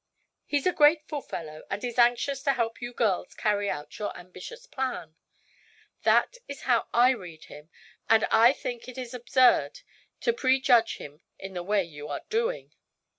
He's a grateful fellow and is anxious to help you girls carry out your ambitious plans. That is how I read him, and I think it is absurd to prejudge him in the way you are doing."